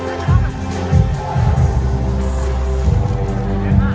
สโลแมคริปราบาล